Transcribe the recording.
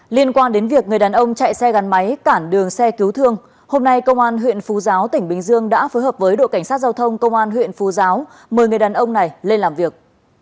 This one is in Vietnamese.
liên quan đến việc người đàn ông chạy xe gắn máy cản đường xe cứu thương hôm nay công an huyện phú giáo tỉnh bình dương đã phối hợp với đội cảnh sát giao thông công an huyện phú giáo mời người đàn ông này lên làm việc